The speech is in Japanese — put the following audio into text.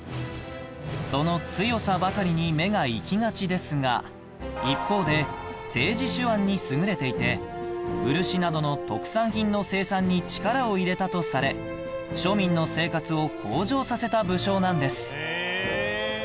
その強さばかりに目がいきがちですが一方で政治手腕に優れていて漆などの特産品の生産に力を入れたとされ庶民の生活を向上させた武将なんです